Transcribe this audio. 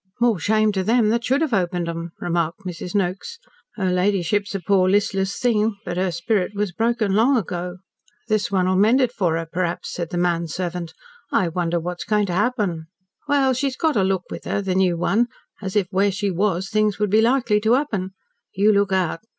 "More shame to them that should have opened 'em," remarked Mrs. Noakes. "Her ladyship's a poor, listless thing but her spirit was broken long ago. "This one will mend it for her, perhaps," said the man servant. "I wonder what's going to happen." "Well, she's got a look with her the new one as if where she was things would be likely to happen. You look out.